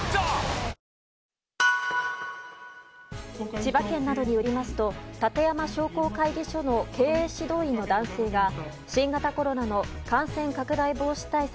千葉県などによりますと館山商工会議所の経営指導員の男性が新型コロナの感染拡大防止対策